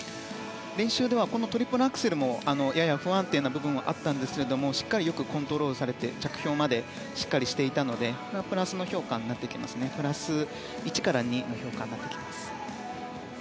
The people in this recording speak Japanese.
練習ではトリプルアクセルもやや不安定な部分はあったんですがしっかりよくコントロールされて着氷までしていたのでプラスの１から２の評価になってきます。